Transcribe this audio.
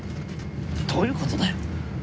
どういう事だよ。